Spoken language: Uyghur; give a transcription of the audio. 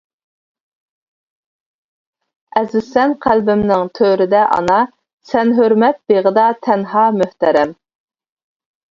ئەزىزسەن قەلبىمنىڭ تۆرىدە ئانا، سەن ھۆرمەت بېغىدا تەنھا مۆھتەرەم.